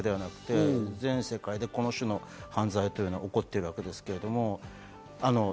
日本だけではなく全世界でこの種の犯罪が起こっているわけです。